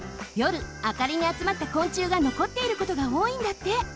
あかりにあつまった昆虫がのこっていることがおおいんだって。